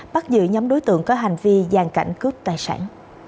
bắt giữ nhóm đối tượng có hành vi gian cảnh cướp tài sản